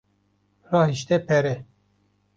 Rahişte pere.